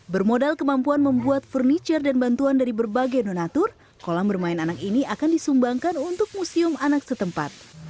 bermodal kemampuan membuat furniture dan bantuan dari berbagai donatur kolam bermain anak ini akan disumbangkan untuk museum anak setempat